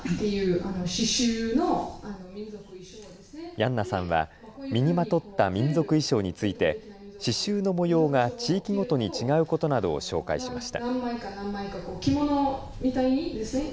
ヤンナさんは身にまとった民族衣装について刺しゅうの模様が地域ごとに違うことなどを紹介しました。